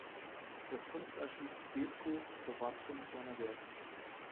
Das Kunstarchiv Beeskow bewahrt fünf seiner Werke.